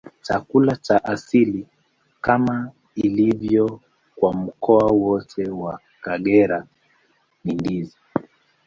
Chakula cha asili, kama ilivyo kwa mkoa wote wa Kagera, ni ndizi.